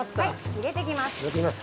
入れて行きます。